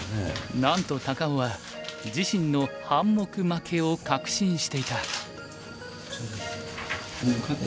なんと高尾は自身の半目負けを確信していた。